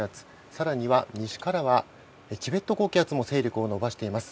更には西からはチベット高気圧も勢力を伸ばしています。